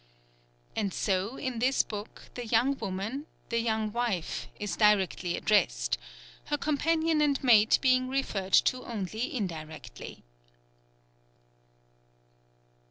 And so, in this book, the young woman the young wife is directly addressed, her companion and mate being referred to only indirectly.